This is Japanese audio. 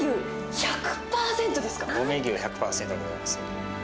近江牛１００％でございます。